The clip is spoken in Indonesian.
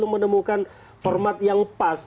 menemukan format yang pas